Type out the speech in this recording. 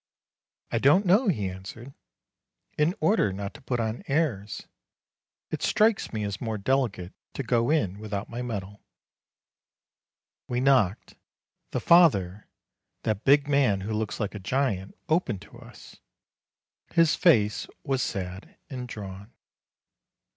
"I don't know," he answered; "in order not to put on airs : it strikes me as more delicate to go in without my medal." We knocked; the father, that big man who looks like a giant, opened to us ; his face was sad and drawn.